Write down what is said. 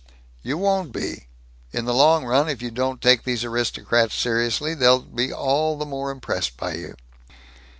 "You won't be. In the long run, if you don't take these aristocrats seriously, they'll be all the more impressed by you."